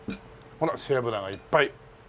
ほら背脂がいっぱい。